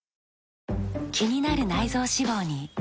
気になる内臓脂肪に。